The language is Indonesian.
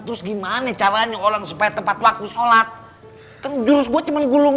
terus gimana caranya orang supaya tepat waktu sholat kan jurus gue cuma gulung